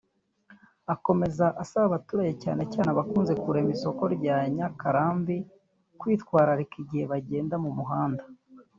Akomeza asaba abaturage cyane cyane abakunze kurema isoko rya Nyakarambi kwitwararika igihe bagenda mu muhanda